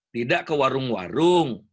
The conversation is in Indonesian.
tidak ke warung warung